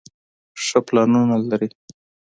ښۀ پلانونه لري